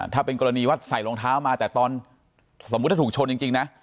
ถ้าเป็นกรณีว่าใส่รองเท้ามาแต่ตอนสมมุติถ้าถูกชนจริงนะ